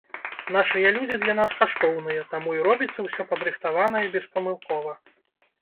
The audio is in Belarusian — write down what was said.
Нашыя людзі для нас каштоўныя, таму і робіцца ўсё падрыхтавана і беспамылкова.